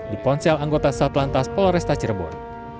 di ponsel anggota satlantas polresta cirebon